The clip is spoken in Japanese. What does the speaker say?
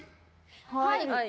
はい！